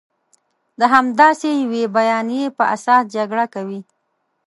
د همداسې یوې بیانیې په اساس جګړه کوي.